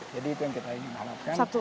jadi itu yang kita ingin mengharapkan